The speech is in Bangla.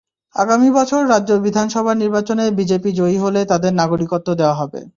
আগামী বছর রাজ্য বিধানসভা নির্বাচনে বিজেপি জয়ী হলে তাদের নাগরিকত্ব দেওয়া হবে।